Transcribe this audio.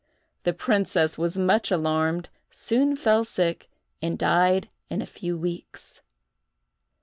The princess was much alarmed, soon fell sick, and died in a few weeks.